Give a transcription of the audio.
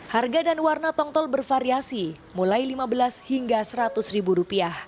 harga dan warna tongtol bervariasi mulai rp lima belas hingga rp seratus